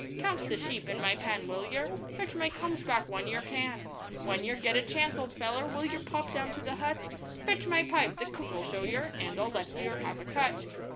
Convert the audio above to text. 'Count the sheep in my pen, will yer?' 'Fetch my combs back when yer can.' 'When yer get a chance, old feller, will yer pop down to the hut?' 'Fetch my pipe the cook'll show yer and I'll let yer have a cut.